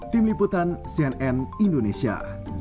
tim liputan cnn indonesia